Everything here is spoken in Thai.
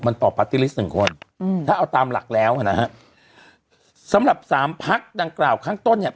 มันต่อปาร์ตี้ลิสต์หนึ่งคนอืมถ้าเอาตามหลักแล้วอ่ะนะฮะสำหรับสามพักดังกล่าวข้างต้นเนี่ย